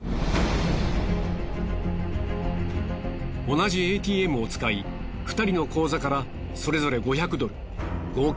同じＡＴＭを使い２人の口座からそれぞれ５００ドル合計